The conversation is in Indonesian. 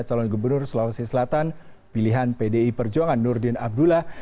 calon gubernur sulawesi selatan pilihan pdi perjuangan nurdin abdullah